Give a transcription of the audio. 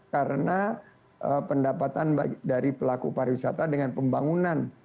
karena pendapatan dari pelaku pariwisata dengan pembangunan